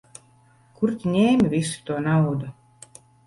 Kur tu ņēmi visu to naudu?